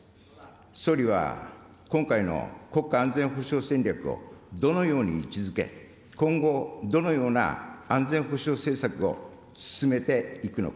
総理は今回の国家安全保障戦略をどのように位置づけ、今後、どのような安全保障政策を進めていくのか。